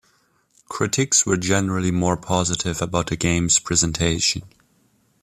Critics were generally more positive about the game's presentation.